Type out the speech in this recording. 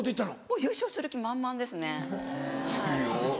もう優勝する気満々ですねはい。